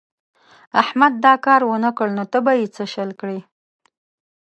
احمد دا کار و نه کړ نو ته به يې څه شل کړې.